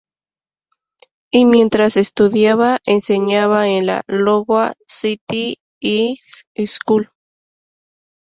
Y mientras estudiaba, enseñaba en la "Iowa City High School".